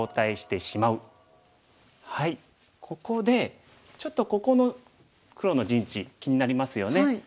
ここでちょっとここの黒の陣地気になりますよね。